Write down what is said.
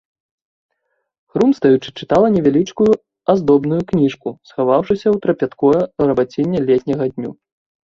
Хрумстаючы, чытала невялічкую аздобную кніжку, схаваўшыся ў трапяткое рабацінне летняга дню.